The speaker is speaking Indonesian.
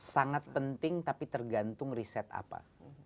sangat penting tapi tergantung riset apa